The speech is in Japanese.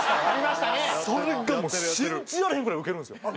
それがもう信じられへんぐらいウケるんですよ。